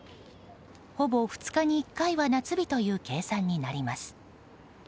ほぼ２日に１回は夏日という計算になります。